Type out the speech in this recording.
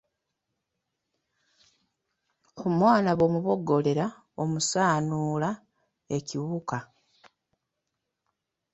"Omwana bw’omuboggolera, omusaanuula ekiwuka."